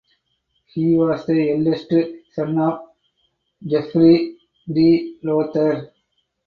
He was the eldest son of Geoffrey de Lowther.